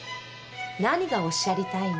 何がおっしゃりたいの？